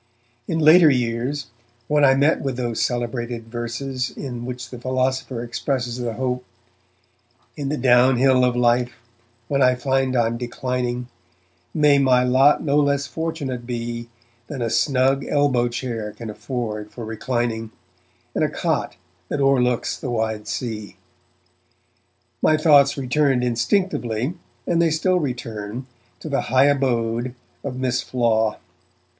In later years, when I met with those celebrated verses in which the philosopher expresses the hope In the downhill of life, when I find I'm declining, May my lot no less fortunate be Than a snug elbow chair can afford for reclining, And a cot that o'erlooks the wide sea my thoughts returned instinctively, and they still return, to the high abode of Miss Flaw.